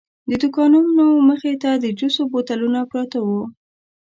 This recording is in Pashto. د دوکانونو مخې ته د جوسو بوتلونه پراته وو.